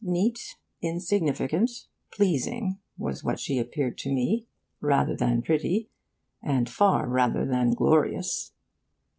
Neat, insignificant, pleasing, was what she appeared to me, rather than pretty, and far rather than glorious.